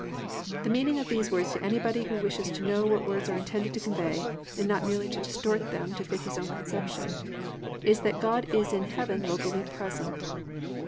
"+ The meaning of these words to anybody who wishes to know what words are intended to convey and not merely to distort them to fit his own conception, is that God is in heaven locally present.